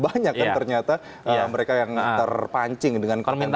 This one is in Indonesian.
banyak kan ternyata mereka yang terpancing dengan konten konten itu